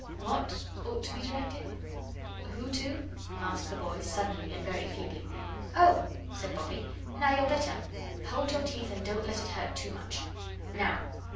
"WHAT ought to be directed? Who to?" asked the boy, suddenly and very feebly. "Oh," said Bobbie, "now you're better! Hold your teeth and don't let it hurt too much. Now!"